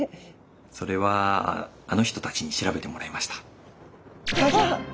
それはあの人たちに調べてもらいました。